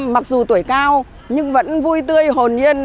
mặc dù tuổi cao nhưng vẫn vui tươi hồn nhiên